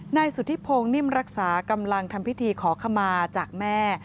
นายสุธิพงศ์นิ่มรักษากำลังทำพิธีขอขมาจากแม่